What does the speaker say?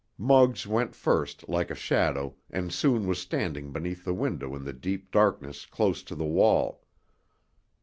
Muggs went first, like a shadow, and soon was standing beneath the window in the deep darkness close to the wall.